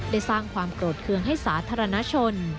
ได้สร้างความโกรธเครื่องให้สาธารณชน